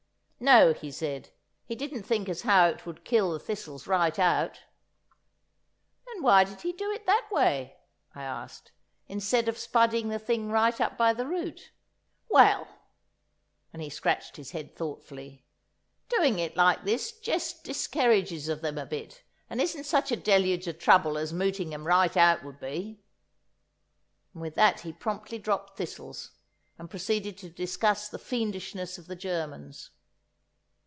No, he said, he didn't think as how it would kill the thistles right out. Then why did he do it that way? I asked, instead of spudding the thing right up by the root? "Well"—and he scratched his head thoughtfully—"doing it like this jest diskerridges of 'em a bit, and isn't sech a deluge o' trouble as mooting 'em right out would be." And with that he promptly dropped thistles, and proceeded to discuss the fiendishness of the Germans.